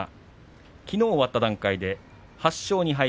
きのう終わった段階で８勝２敗。